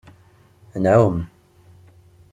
Nɛum.